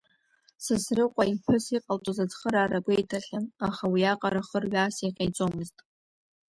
Сасрыҟәа иԥҳәыс иҟалҵоз ацхыраара гәеиҭахьан, аха уи аҟара хырҩаас иҟаиҵомызт.